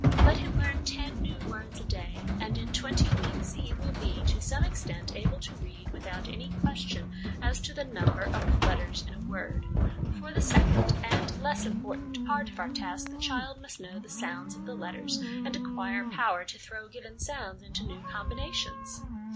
Let him learn ten new words a day, and in twenty weeks he will be to some extent able to read, without any 2l6 HOME EDUCATION question as to the number of letters in a word. For the second, and less important, part of our task, the child must know the sounds of the letters, and acquire power to throw given sounds into new combinations.